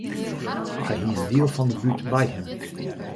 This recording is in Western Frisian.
Hy hie in diel fan de bút by him.